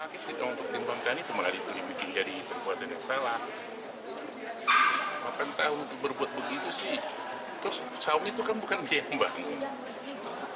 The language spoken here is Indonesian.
saung itu kan bukan jembat